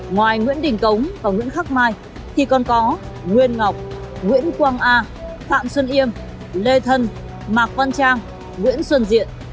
ngoài nguyễn đình cống và nguyễn khắc mai thì còn có nguyên ngọc nguyễn quang a phạm xuân yêm lê thân mạc quang trang nguyễn xuân diện